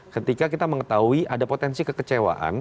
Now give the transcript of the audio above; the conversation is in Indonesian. ketika kita mengetahui ada potensi kekecewaan